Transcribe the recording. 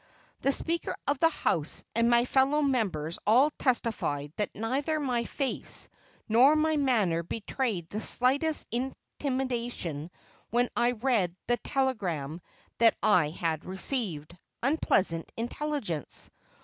The Speaker of the House and my fellow members all testified that neither my face nor my manner betrayed the slightest intimation when I read the telegram that I had received unpleasant intelligence.